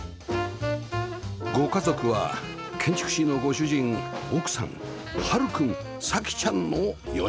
ご家族は建築士のご主人奥さん悠くん咲希ちゃんの４人